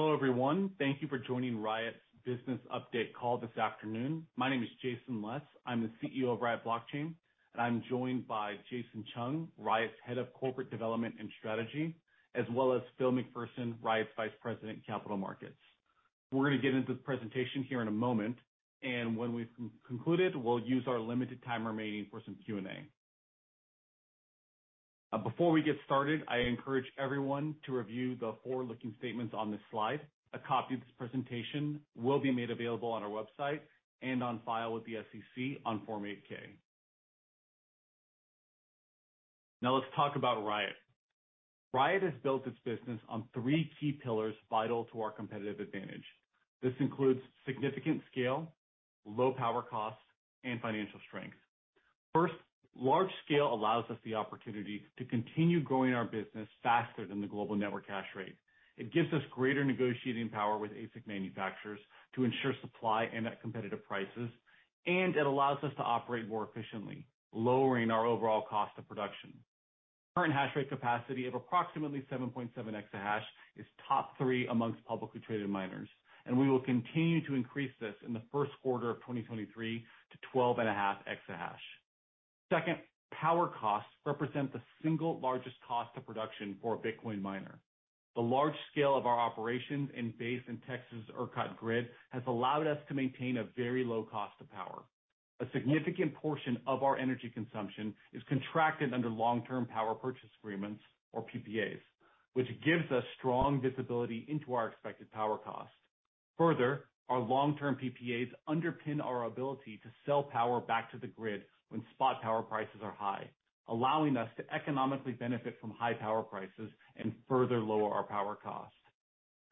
Hello, everyone. Thank you for joining Riot Business Update Call this afternoon. My name is Jason Les. I'm the CEO of Riot Blockchain. I'm joined by Jason Chung, Riot's Head of Corporate Development and Strategy, as well as Phil McPherson, Riot's Vice President, Capital Markets. We're going to get into the presentation here in a moment. When we've concluded, we'll use our limited time remaining for some Q&A. Before we get started, I encourage everyone to review the forward-looking statements on this slide. A copy of this presentation will be made available on our website and on file with the SEC on Form 8-K. Let's talk about Riot. Riot has built its business on three key pillars vital to our competitive advantage. This includes significant scale, low power costs, and financial strength. First, large scale allows us the opportunity to continue growing our business faster than the global network hash rate. It gives us greater negotiating power with ASIC manufacturers to ensure supply and at competitive prices. It allows us to operate more efficiently, lowering our overall cost of production. Current hash rate capacity of approximately 7.7 EH/s is top three amongst publicly traded miners, and we will continue to increase this in the first quarter of 2023 to 12.5 EH/s. Second, power costs represent the single largest cost of production for a Bitcoin miner. The large scale of our operations and base in Texas ERCOT grid has allowed us to maintain a very low cost of power. A significant portion of our energy consumption is contracted under long-term power purchase agreements or PPAs, which gives us strong visibility into our expected power cost. Our long-term PPAs underpin our ability to sell power back to the grid when spot power prices are high, allowing us to economically benefit from high power prices and further lower our power costs.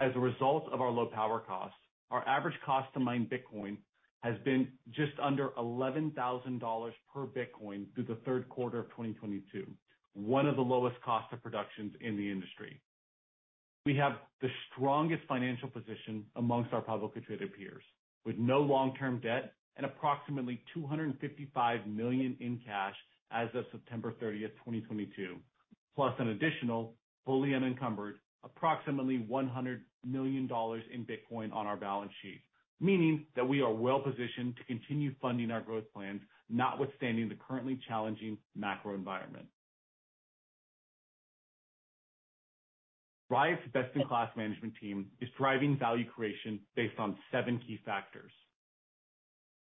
As a result of our low power costs, our average cost to mine Bitcoin has been just under $11,000 per Bitcoin through the third quarter of 2022, one of the lowest cost of productions in the industry. We have the strongest financial position amongst our publicly traded peers, with no long-term debt and approximately $255 million in cash as of September 30th, 2022, plus an additional fully unencumbered approximately $100 million in Bitcoin on our balance sheet. Meaning that we are well-positioned to continue funding our growth plans, notwithstanding the currently challenging macro environment. Riot's best-in-class management team is driving value creation based on seven key factors.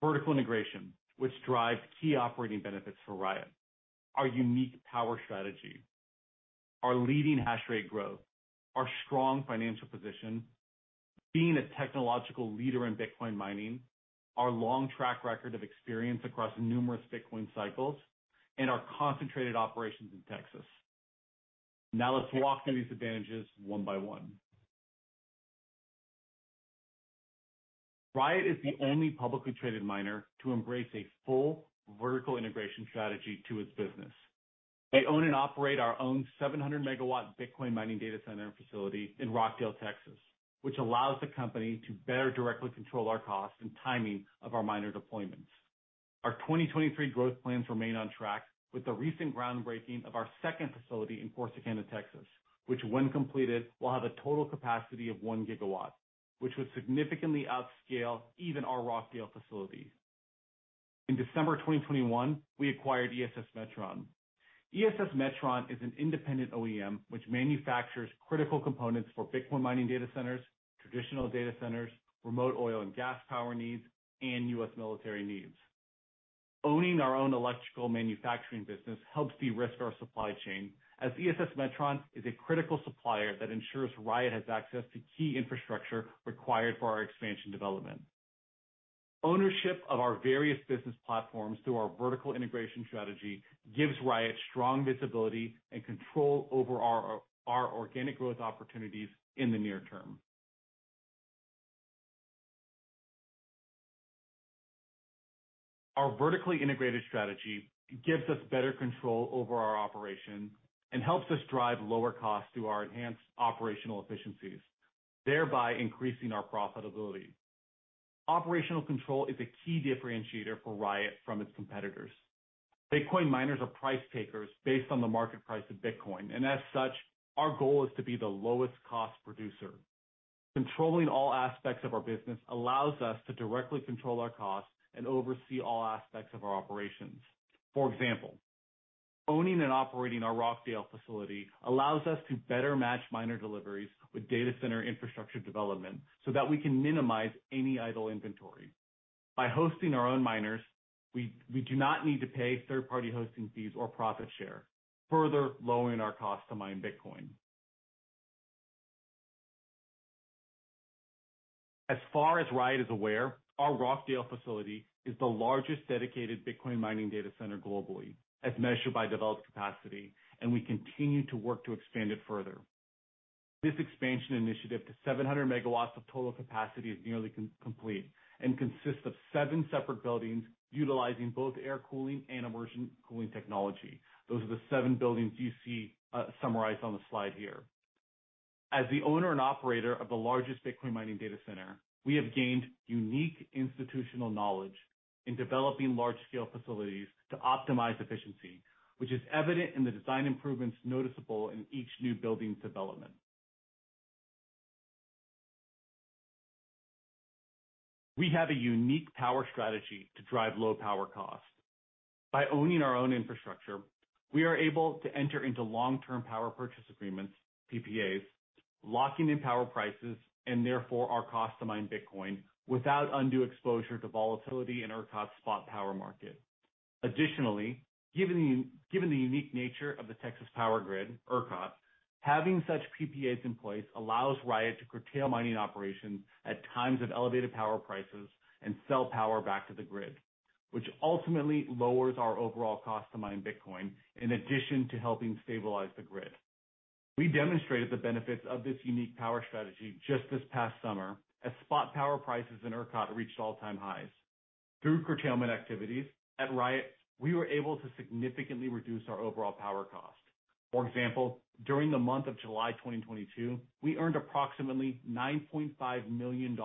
Vertical integration, which drives key operating benefits for Riot. Our unique power strategy. Our leading hash rate growth. Our strong financial position. Being a technological leader in Bitcoin mining. Our long track record of experience across numerous Bitcoin cycles, and our concentrated operations in Texas. Now let's walk through these advantages one by one. Riot is the only publicly traded miner to embrace a full vertical integration strategy to its business. They own and operate our own 700 MW Bitcoin mining data center and facility in Rockdale, Texas, which allows the company to better directly control our costs and timing of our miner deployments. Our 2023 growth plans remain on track with the recent groundbreaking of our second facility in Corsicana, Texas, which when completed, will have a total capacity of 1 GW, which would significantly outscale even our Rockdale facility. In December of 2021, we acquired ESS Metron. ESS Metron is an independent OEM which manufactures critical components for Bitcoin mining data centers, traditional data centers, remote oil and gas power needs, and US military needs. Owning our own electrical manufacturing business helps de-risk our supply chain as ESS Metron is a critical supplier that ensures Riot has access to key infrastructure required for our expansion development. Ownership of our various business platforms through our vertical integration strategy gives Riot strong visibility and control over our organic growth opportunities in the near term. Our vertically integrated strategy gives us better control over our operations and helps us drive lower costs through our enhanced operational efficiencies, thereby increasing our profitability. Operational control is a key differentiator for Riot from its competitors. Bitcoin miners are price takers based on the market price of Bitcoin. As such, our goal is to be the lowest cost producer. Controlling all aspects of our business allows us to directly control our costs and oversee all aspects of our operations. For example, owning and operating our Rockdale facility allows us to better match miner deliveries with data center infrastructure development so that we can minimize any idle inventory. By hosting our own miners, we do not need to pay third-party hosting fees or profit share, further lowering our cost to mine Bitcoin. As far as Riot is aware, our Rockdale facility is the largest dedicated Bitcoin mining data center globally, as measured by developed capacity, and we continue to work to expand it further. This expansion initiative to 700 megawatts of total capacity is nearly complete, and consists of seven separate buildings utilizing both air cooling and immersion cooling technology. Those are the seven buildings you see summarized on the slide here. As the owner and operator of the largest Bitcoin mining data center, we have gained unique institutional knowledge in developing large-scale facilities to optimize efficiency, which is evident in the design improvements noticeable in each new building's development. We have a unique power strategy to drive low power costs. By owning our own infrastructure, we are able to enter into long-term power purchase agreements, PPAs, locking in power prices, and therefore our cost to mine Bitcoin without undue exposure to volatility in ERCOT's spot power market. Additionally, given the unique nature of the Texas power grid, ERCOT, having such PPAs in place allows Riot to curtail mining operations at times of elevated power prices and sell power back to the grid, which ultimately lowers our overall cost to mine Bitcoin in addition to helping stabilize the grid. We demonstrated the benefits of this unique power strategy just this past summer as spot power prices in ERCOT reached all-time highs. Through curtailment activities at Riot, we were able to significantly reduce our overall power cost. For example, during the month of July 2022, we earned approximately $9.5 million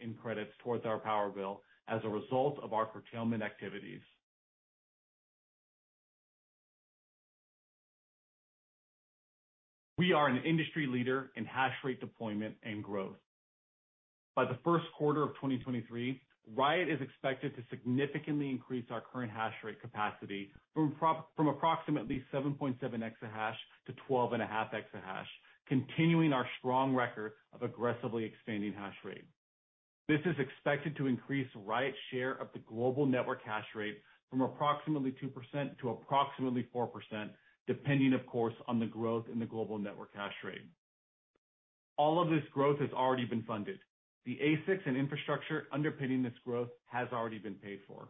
in credits towards our power bill as a result of our curtailment activities. We are an industry leader in hash rate deployment and growth. By the first quarter of 2023, Riot is expected to significantly increase our current hash rate capacity from approximately 7.7 exahash to 12.5 exahash, continuing our strong record of aggressively expanding hash rate. This is expected to increase Riot's share of the global network hash rate from approximately 2% to approximately 4%, depending of course on the growth in the global network hash rate. All of this growth has already been funded. The ASICs and infrastructure underpinning this growth has already been paid for.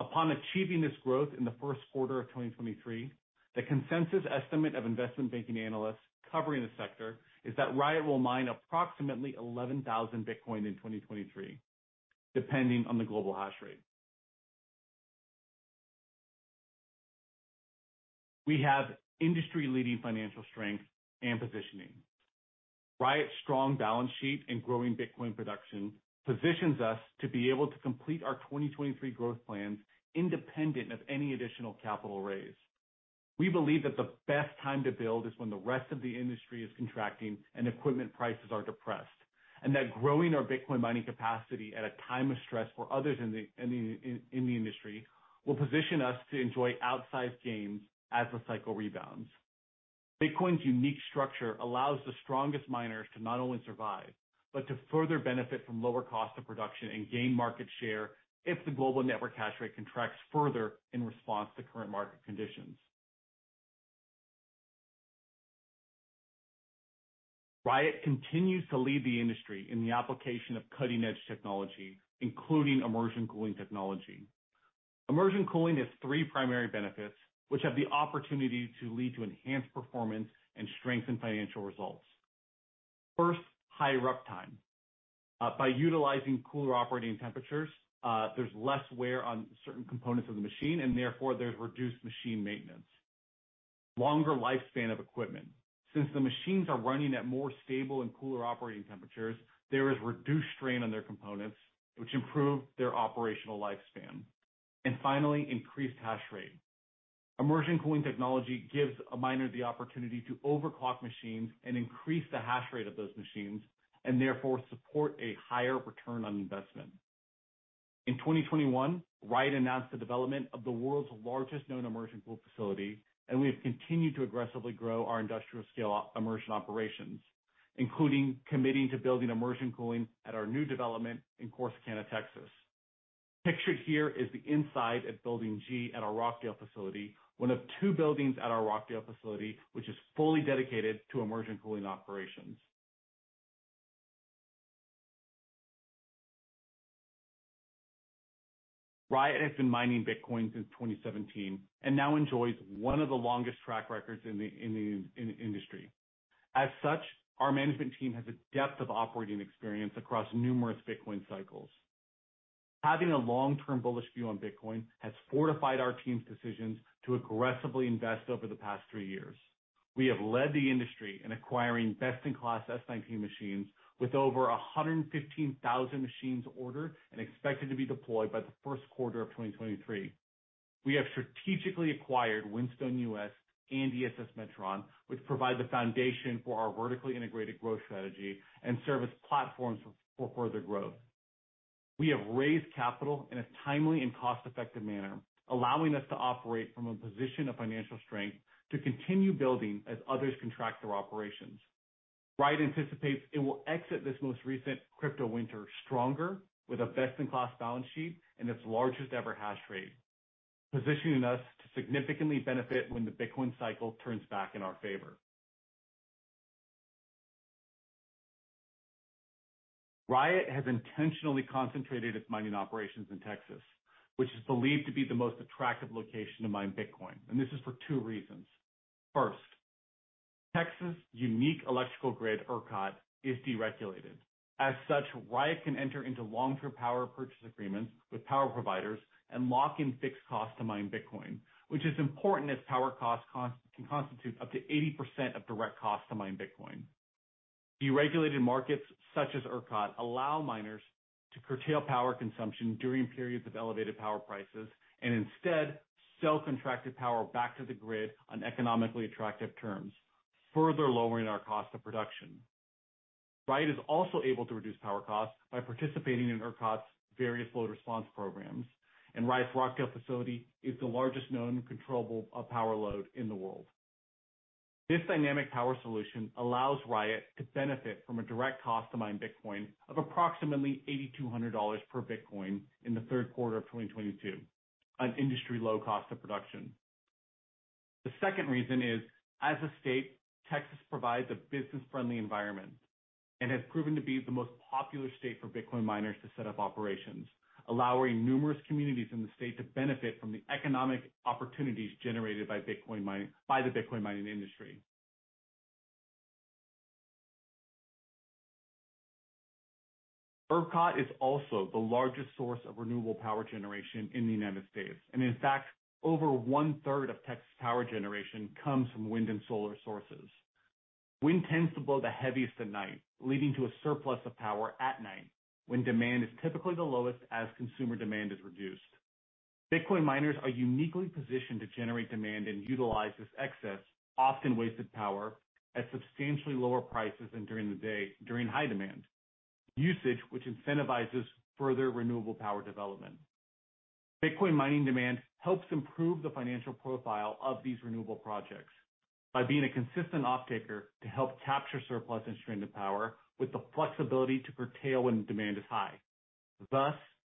Upon achieving this growth in the first quarter of 2023, the consensus estimate of investment banking analysts covering the sector is that Riot will mine approximately 11,000 Bitcoin in 2023, depending on the global hash rate. We have industry-leading financial strength and positioning. Riot's strong balance sheet and growing Bitcoin production positions us to be able to complete our 2023 growth plans independent of any additional capital raise. We believe that the best time to build is when the rest of the industry is contracting and equipment prices are depressed, that growing our Bitcoin mining capacity at a time of stress for others in the industry will position us to enjoy outsized gains as the cycle rebounds. Bitcoin's unique structure allows the strongest miners to not only survive, but to further benefit from lower cost of production and gain market share if the global network hash rate contracts further in response to current market conditions. Riot continues to lead the industry in the application of cutting-edge technology, including immersion cooling technology. Immersion cooling has three primary benefits which have the opportunity to lead to enhanced performance and strengthen financial results. First, high uptime. By utilizing cooler operating temperatures, there's less wear on certain components of the machine, and therefore, there's reduced machine maintenance. Longer lifespan of equipment. Since the machines are running at more stable and cooler operating temperatures, there is reduced strain on their components, which improve their operational lifespan. Finally, increased hash rate. Immersion cooling technology gives a miner the opportunity to overclock machines and increase the hash rate of those machines, and therefore support a higher return on investment. In 2021, Riot announced the development of the world's largest known immersion cool facility. We have continued to aggressively grow our industrial scale immersion operations, including committing to building immersion cooling at our new development in Corsicana, Texas. Pictured here is the inside at Building G at our Rockdale facility, one of two buildings at our Rockdale facility which is fully dedicated to immersion cooling operations. Riot has been mining Bitcoin since 2017. Now enjoys one of the longest track records in the industry. As such, our management team has a depth of operating experience across numerous Bitcoin cycles. Having a long-term bullish view on Bitcoin has fortified our team's decisions to aggressively invest over the past three years. We have led the industry in acquiring best-in-class S19 machines with over 115,000 machines ordered and expected to be deployed by the first quarter of 2023. We have strategically acquired Whinstone US and ESS Metron, which provide the foundation for our vertically integrated growth strategy and serve as platforms for further growth. We have raised capital in a timely and cost-effective manner, allowing us to operate from a position of financial strength to continue building as others contract their operations. Riot anticipates it will exit this most recent crypto winter stronger with a best-in-class balance sheet and its largest-ever hash rate, positioning us to significantly benefit when the Bitcoin cycle turns back in our favor. Riot has intentionally concentrated its mining operations in Texas, which is believed to be the most attractive location to mine Bitcoin. This is for two reasons. First, Texas' unique electrical grid, ERCOT, is deregulated. As such, Riot can enter into long-term power purchase agreements with power providers and lock in fixed costs to mine Bitcoin, which is important as power costs can constitute up to 80% of direct costs to mine Bitcoin. Deregulated markets such as ERCOT allow miners to curtail power consumption during periods of elevated power prices and instead sell contracted power back to the grid on economically attractive terms, further lowering our cost of production. Riot is also able to reduce power costs by participating in ERCOT's various demand response programs. Riot's Rockdale facility is the largest known controllable power load in the world. This dynamic power solution allows Riot to benefit from a direct cost to mine Bitcoin of approximately $8,200 per Bitcoin in the third quarter of 2022, an industry-low cost of production. The second reason is, as a state, Texas provides a business-friendly environment and has proven to be the most popular state for Bitcoin miners to set up operations, allowing numerous communities in the state to benefit from the economic opportunities generated by the Bitcoin mining industry. ERCOT is also the largest source of renewable power generation in the United States, and in fact, over one-third of Texas' power generation comes from wind and solar sources. Wind tends to blow the heaviest at night, leading to a surplus of power at night, when demand is typically the lowest as consumer demand is reduced. Bitcoin miners are uniquely positioned to generate demand and utilize this excess, often wasted power at substantially lower prices than during the day during high demand. Usage which incentivizes further renewable power development. Bitcoin mining demand helps improve the financial profile of these renewable projects by being a consistent offtaker to help capture surplus and stranded power with the flexibility to curtail when demand is high.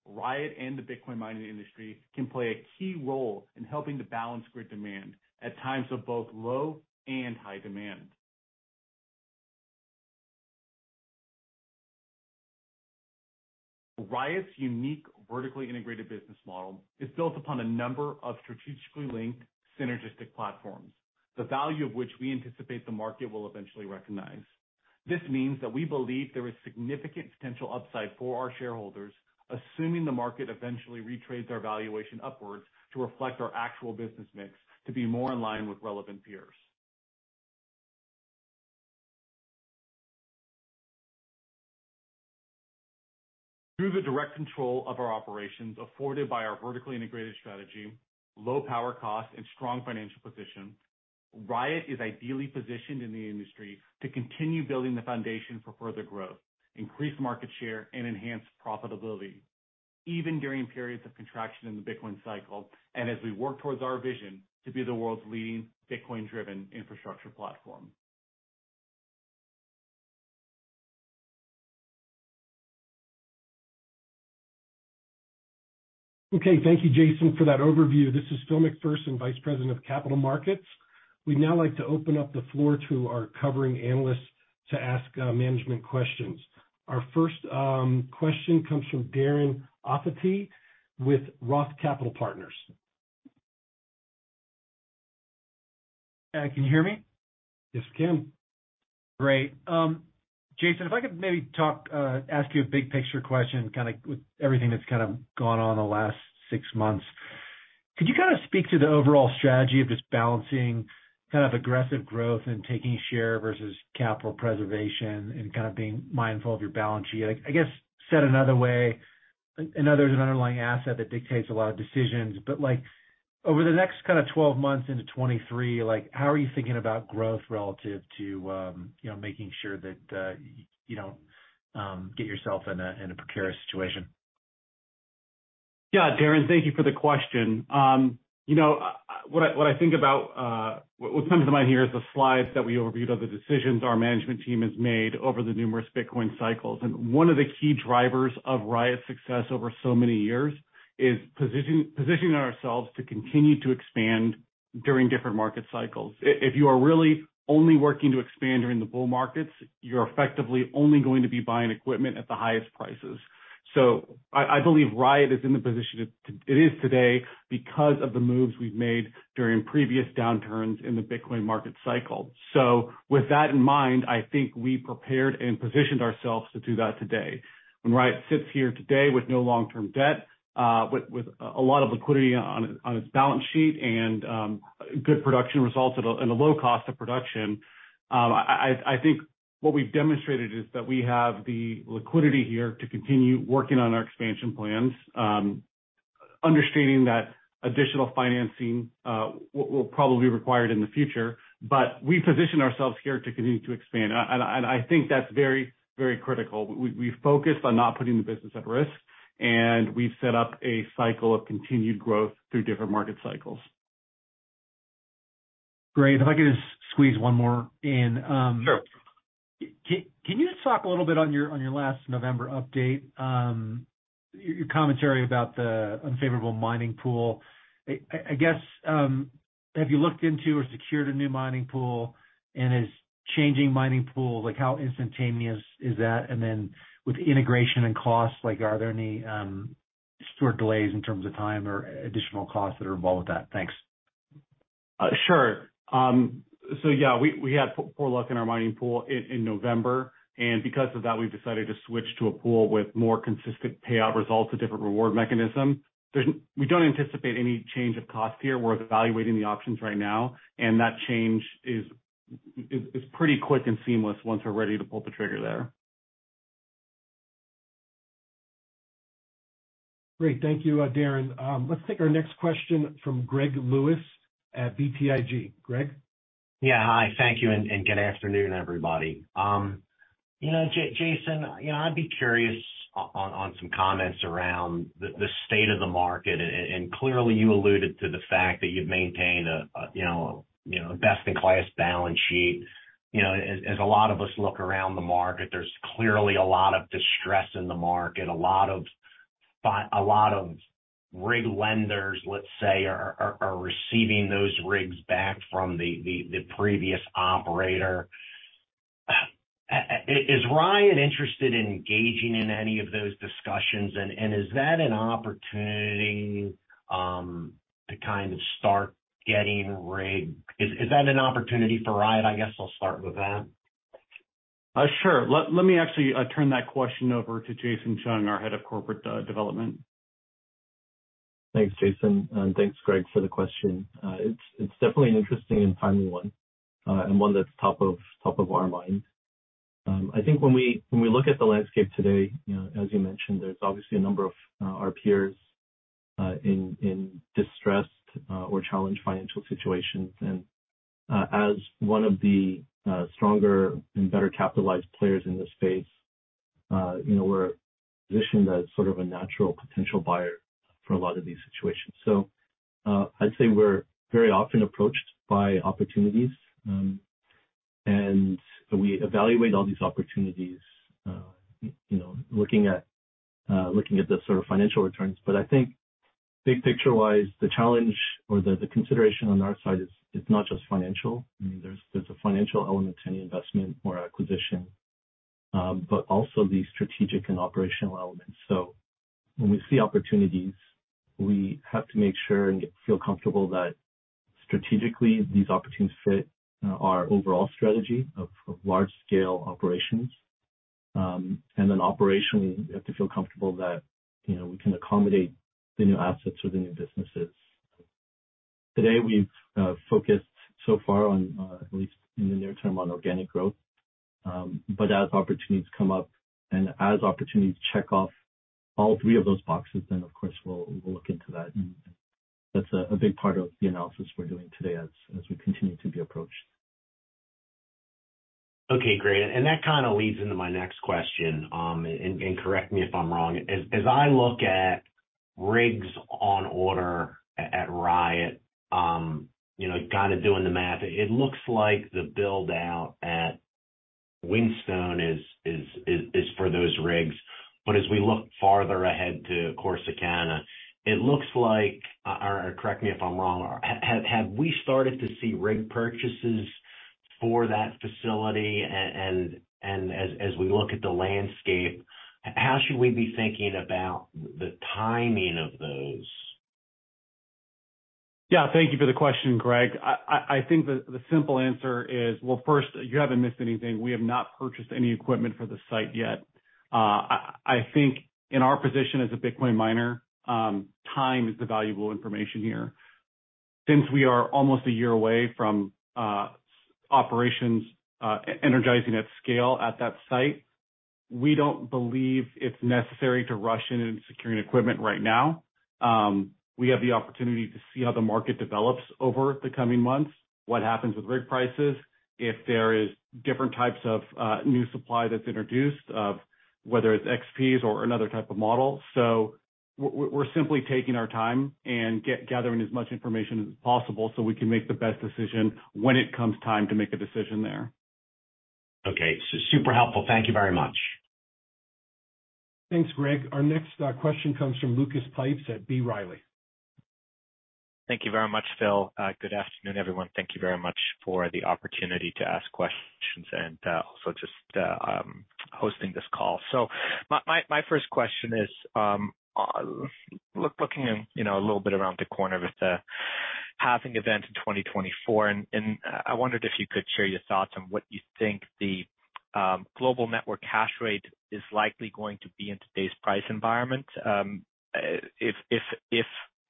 Riot and the Bitcoin mining industry can play a key role in helping to balance grid demand at times of both low and high demand. Riot's unique, vertically integrated business model is built upon a number of strategically linked synergistic platforms, the value of which we anticipate the market will eventually recognize. This means that we believe there is significant potential upside for our shareholders, assuming the market eventually retrades our valuation upwards to reflect our actual business mix to be more in line with relevant peers. Through the direct control of our operations afforded by our vertically integrated strategy, low power costs, and strong financial position, Riot is ideally positioned in the industry to continue building the foundation for further growth, increase market share, and enhance profitability, even during periods of contraction in the Bitcoin cycle, and as we work towards our vision to be the world's leading Bitcoin-driven infrastructure platform. Okay. Thank you, Jason, for that overview. This is Phil McPherson, Vice President of Capital Markets. We'd now like to open up the floor to our covering analysts to ask management questions. Our first question comes from Darren Aftahi with Roth Capital Partners. Can you hear me? Yes, I can. Great. Jason, if I could maybe ask you a big picture question, kinda with everything that's kind of gone on in the last six months. Could you kind of speak to the overall strategy of just balancing kind of aggressive growth and taking share versus capital preservation and kind of being mindful of your balance sheet? I guess, said another way, another is an underlying asset that dictates a lot of decisions. Like, over the next kind of 12 months into 23, like, how are you thinking about growth relative to, you know, making sure that you don't get yourself in a precarious situation? Yeah. Darren, thank you for the question. You know, what comes to mind here is the slides that we overviewed of the decisions our management team has made over the numerous Bitcoin cycles. One of the key drivers of Riot's success over so many years is positioning ourselves to continue to expand during different market cycles. If you are really only working to expand during the bull markets, you're effectively only going to be buying equipment at the highest prices. I believe Riot is in the position it is today because of the moves we've made during previous downturns in the Bitcoin market cycle. With that in mind, I think we prepared and positioned ourselves to do that today. When Riot sits here today with no long-term debt, with a lot of liquidity on its balance sheet and good production results and a low cost of production, I think what we've demonstrated is that we have the liquidity here to continue working on our expansion plans, understating that additional financing will probably be required in the future. We position ourselves here to continue to expand. I think that's very critical. We focus on not putting the business at risk, and we've set up a cycle of continued growth through different market cycles. Great. If I could just squeeze one more in. Sure. Can you just talk a little bit on your last November update, your commentary about the unfavorable mining pool? I guess, have you looked into or secured a new mining pool? Is changing mining pool, like how instantaneous is that? With integration and costs, like are there any sort of delays in terms of time or additional costs that are involved with that? Thanks. Sure. We had poor luck in our mining pool in November. Because of that, we've decided to switch to a pool with more consistent payout results, a different reward mechanism. We don't anticipate any change of cost here. We're evaluating the options right now. That change is pretty quick and seamless once we're ready to pull the trigger there. Great. Thank you, Darren. Let's take our next question from Greg Lewis at BTIG. Greg? Yeah. Hi. Thank you and good afternoon, everybody. You know, Jason, you know, I'd be curious on some comments around the state of the market. Clearly you alluded to the fact that you've maintained a, you know, a best in class balance sheet. You know, as a lot of us look around the market, there's clearly a lot of distress in the market, a lot of rig lenders, let's say, are receiving those rigs back from the previous operator. Is Riot interested in engaging in any of those discussions? Is that an opportunity for Riot? I guess I'll start with that. Sure. Let me actually turn that question over to Jason Chung, our Head of Corporate Development. Thanks, Jason. Thanks, Greg, for the question. It's definitely an interesting and timely one, and one that's top of our mind. I think when we look at the landscape today, you know, as you mentioned, there's obviously a number of our PRs in distressed or challenged financial situations. As one of the stronger and better capitalized players in this space, you know, we're positioned as sort of a natural potential buyer for a lot of these situations. I'd say we're very often approached by opportunities, and we evaluate all these opportunities, you know, looking at the sort of financial returns. I think big picture wise, the challenge or the consideration on our side is it's not just financial. I mean, there's a financial element to any investment or acquisition, but also the strategic and operational elements. When we see opportunities, we have to make sure and feel comfortable that strategically these opportunities fit our overall strategy of large scale operations. Then operationally, we have to feel comfortable that, you know, we can accommodate the new assets or the new businesses. Today, we've focused so far on, at least in the near term, on organic growth. As opportunities come up and as opportunities check off all three of those boxes, then of course we'll look into that. That's a big part of the analysis we're doing today as we continue to be approached. Okay. Great. That kind of leads into my next question. And correct me if I'm wrong. As I look at rigs on order at Riot, you know, kind of doing the math, it looks like the build out at Whinstone is for those rigs. But as we look farther ahead to Corsicana, it looks like, or correct me if I'm wrong, have we started to see rig purchases for that facility? And as we look at the landscape, how should we be thinking about the timing of those? Thank you for the question, Greg. I think the simple answer is. Well, first, you haven't missed anything. We have not purchased any equipment for the site yet. I think in our position as a Bitcoin miner, time is the valuable information here. Since we are almost a year away from operations, energizing at scale at that site, we don't believe it's necessary to rush in securing equipment right now. We have the opportunity to see how the market develops over the coming months, what happens with rig prices, if there is different types of new supply that's introduced of whether it's XPs or another type of model. We're simply taking our time and gathering as much information as possible so we can make the best decision when it comes time to make a decision there. Okay. Super helpful. Thank you very much. Thanks, Greg. Our next question comes from Lucas Pipes at B. Riley. Thank you very much, Phil. Good afternoon, everyone. Thank you very much for the opportunity to ask questions and also just hosting this call. My first question is, looking, you know, a little bit around the corner with the halving event in 2024, and I wondered if you could share your thoughts on what you think the global network hash rate is likely going to be in today's price environment,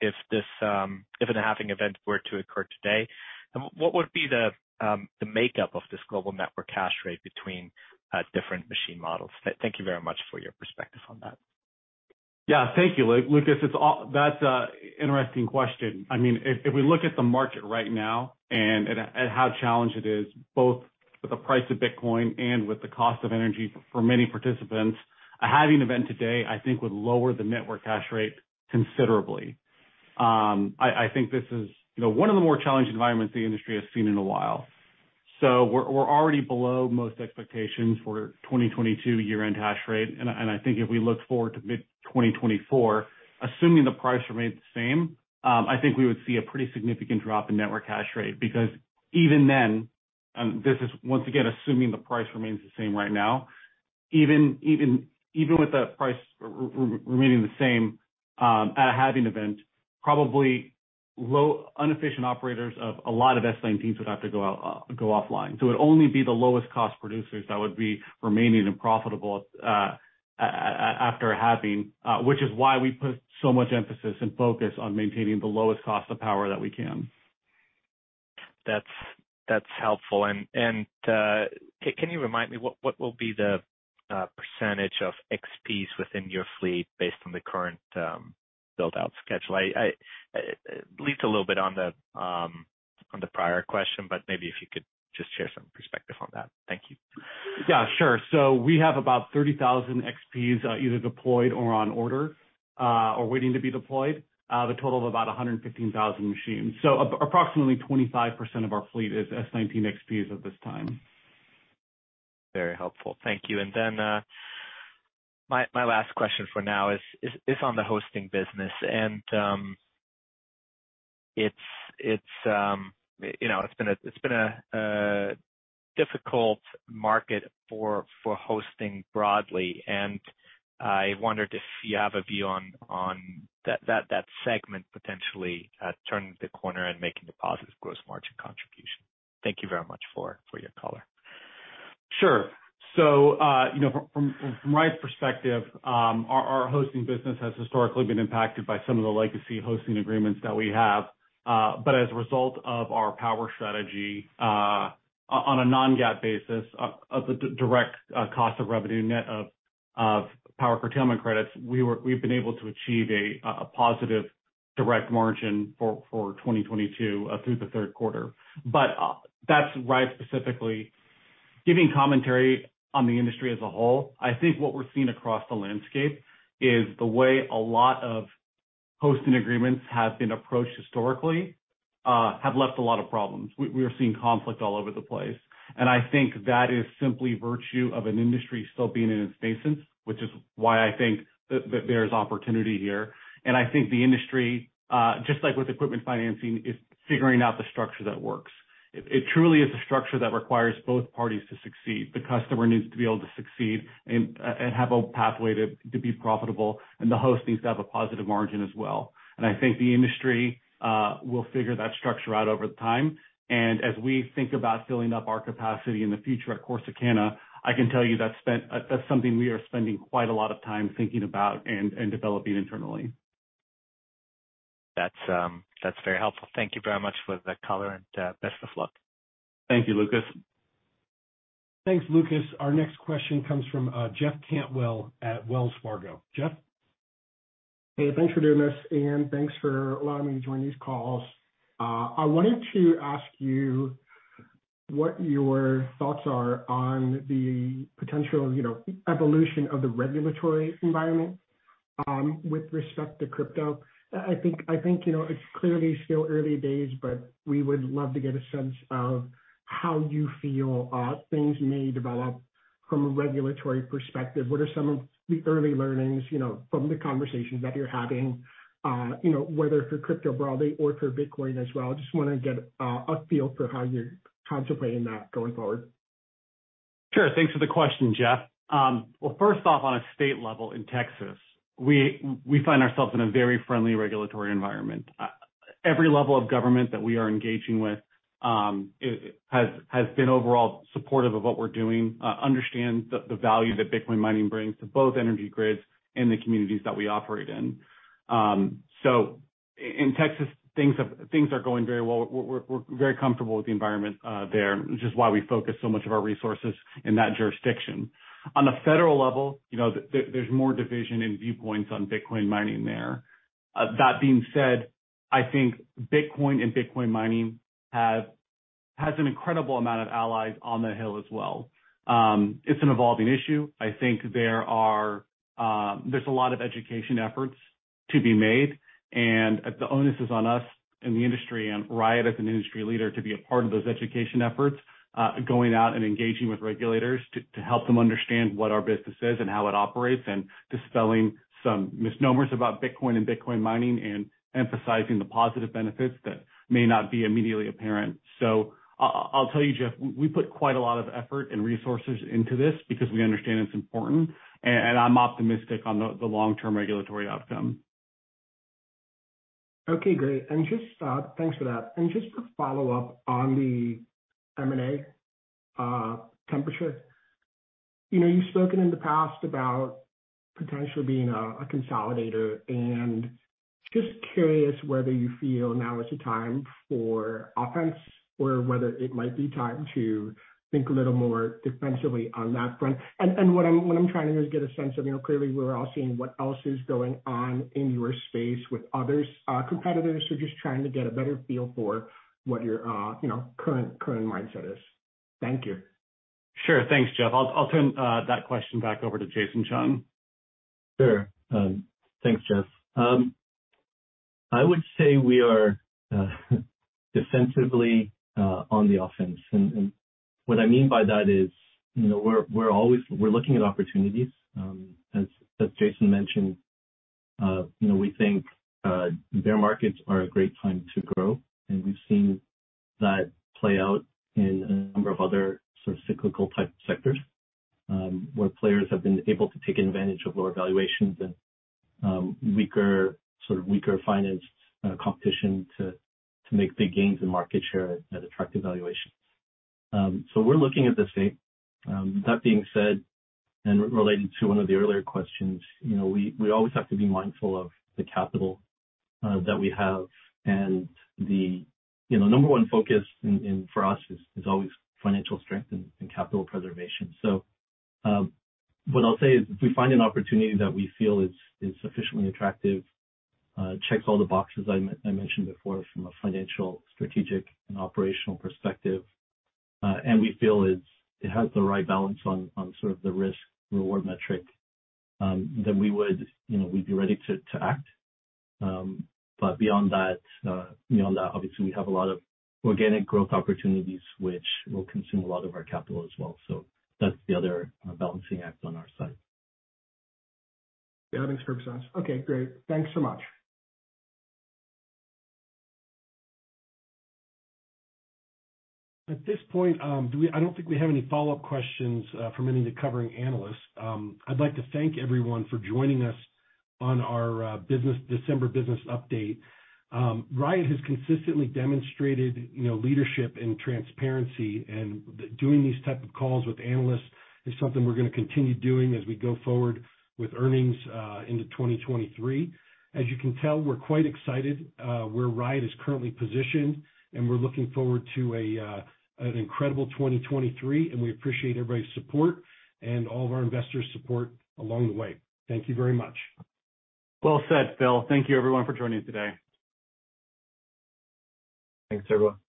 if this halving event were to occur today. What would be the makeup of this global network hash rate between different machine models? Thank you very much for your perspective on that. Yeah. Thank you, Lucas. That's an interesting question. I mean, if we look at the market right now and at how challenged it is, both with the price of Bitcoin and with the cost of energy for many participants, a halving event today, I think would lower the network hash rate considerably. I think this is, you know, one of the more challenging environments the industry has seen in a while. We're already below most expectations for 2022 year-end hash rate. I think if we look forward to mid-2024, assuming the price remained the same, I think we would see a pretty significant drop in network hash rate. Even then, and this is once again assuming the price remains the same right now, even with the price remaining the same, at a halving event, probably inefficient operators of a lot of S19 miners would have to go offline. It'd only be the lowest cost producers that would be remaining and profitable after a halving, which is why we put so much emphasis and focus on maintaining the lowest cost of power that we can. That's helpful. Can you remind me what will be the percentage of XPs within your fleet based on the current build-out schedule? I leaked a little bit on the prior question, but maybe if you could just share some perspective on that. Thank you. Yeah, sure. We have about 30,000 XPs, either deployed or on order, or waiting to be deployed. With a total of about 115,000 machines. Approximately 25% of our fleet is S19 XPs at this time. Very helpful. Thank you. My last question for now is on the hosting business. You know, it's been a difficult market for hosting broadly. I wondered if you have a view on that segment potentially turning the corner and making a positive gross margin contribution. Thank you very much for your color. Sure. You know, from Riot's perspective, our hosting business has historically been impacted by some of the legacy hosting agreements that we have. As a result of our power strategy, on a non-GAAP basis of the direct cost of revenue net of power curtailment credits, we've been able to achieve a positive direct margin for 2022 through the third quarter. That's Riot specifically. Giving commentary on the industry as a whole, I think what we're seeing across the landscape is the way a lot of hosting agreements have been approached historically, have left a lot of problems. We are seeing conflict all over the place. I think that is simply virtue of an industry still being in its nascent, which is why I think that there's opportunity here. I think the industry, just like with equipment financing, is figuring out the structure that works. It truly is a structure that requires both parties to succeed. The customer needs to be able to succeed and have a pathway to be profitable, and the host needs to have a positive margin as well. I think the industry will figure that structure out over time. As we think about filling up our capacity in the future at Corsicana, I can tell you that's something we are spending quite a lot of time thinking about and developing internally. That's very helpful. Thank you very much for the color and, best of luck. Thank you, Lucas. Thanks, Lucas. Our next question comes from, Jeff Cantwell at Wells Fargo. Jeff? Hey, thanks for doing this, and thanks for allowing me to join these calls. I wanted to ask you what your thoughts are on the potential, you know, evolution of the regulatory environment, with respect to crypto. I think, you know, it's clearly still early days, but we would love to get a sense of how you feel, things may develop from a regulatory perspective. What are some of the early learnings, you know, from the conversations that you're having, you know, whether for crypto broadly or for Bitcoin as well? Just wanna get a feel for how you're contemplating that going forward. Sure. Thanks for the question, Jeff. Well, first off, on a state level in Texas, we find ourselves in a very friendly regulatory environment. Every level of government that we are engaging with, has been overall supportive of what we're doing, understand the value that Bitcoin mining brings to both energy grids and the communities that we operate in. In Texas, things are going very well. We're very comfortable with the environment there, which is why we focus so much of our resources in that jurisdiction. On the federal level, you know, there's more division in viewpoints on Bitcoin mining there. That being said, I think Bitcoin and Bitcoin mining has an incredible amount of allies on the Hill as well. It's an evolving issue. I think there are. there's a lot of education efforts to be made. The onus is on us in the industry and Riot as an industry leader to be a part of those education efforts, going out and engaging with regulators to help them understand what our business is and how it operates, and dispelling some misnomers about Bitcoin and Bitcoin mining, and emphasizing the positive benefits that may not be immediately apparent. I'll tell you, Jeff, we put quite a lot of effort and resources into this because we understand it's important, and I'm optimistic on the long-term regulatory outcome. Okay, great. Just thanks for that. Just to follow up on the M&A temperature. You know, you've spoken in the past about potentially being a consolidator, and just curious whether you feel now is the time for offense or whether it might be time to think a little more defensively on that front. What I'm trying to do is get a sense of, you know, clearly we're all seeing what else is going on in your space with others, competitors. Just trying to get a better feel for what your, you know, current mindset is. Thank you. Sure. Thanks, Jeff. I'll turn that question back over to Jason Chung. Sure. Thanks, Jeff. I would say we are defensively on the offense. And what I mean by that is, you know, we're looking at opportunities. As Jason mentioned, you know, we think bear markets are a great time to grow, and we've seen that play out in a number of other sort of cyclical type sectors, where players have been able to take advantage of lower valuations and weaker financed competition to make big gains in market share at attractive valuations. So we're looking at the same. That being said, and relating to one of the earlier questions, you know, we always have to be mindful of the capital that we have. The, you know, number one focus for us is always financial strength and capital preservation. What I'll say is, if we find an opportunity that we feel is sufficiently attractive, checks all the boxes I mentioned before from a financial, strategic, and operational perspective, and we feel it has the right balance on sort of the risk/reward metric, then we would, you know, we'd be ready to act. Beyond that, obviously, we have a lot of organic growth opportunities which will consume a lot of our capital as well. That's the other balancing act on our side. Yeah, that makes perfect sense. Okay, great. Thanks so much. At this point, I don't think we have any follow-up questions from any of the covering analysts. I'd like to thank everyone for joining us on our December business update. Riot has consistently demonstrated, you know, leadership and transparency, and doing these type of calls with analysts is something we're gonna continue doing as we go forward with earnings into 2023. As you can tell, we're quite excited where Riot is currently positioned, and we're looking forward to an incredible 2023, and we appreciate everybody's support and all of our investors' support along the way. Thank you very much. Well said, Phil. Thank you everyone for joining today. Thanks, everyone.